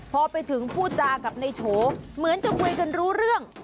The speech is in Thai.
พอไปถึงพูดจากับในโฉเหมือนจะคุยกันรู้เรื่อง